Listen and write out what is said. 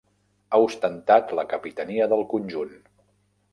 Ha ostentat la capitania del conjunt.